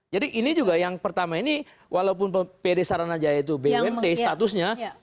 jadi ini juga yang pertama ini walaupun pd saranaja itu bumd statusnya